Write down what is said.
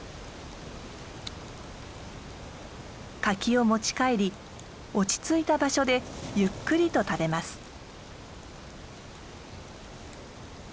柿を持ち帰り落ち着いた場所でゆっくりと食べます。